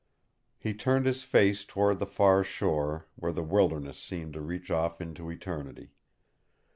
He turned his face toward the far shore, where the wilderness seemed to reach off into eternity.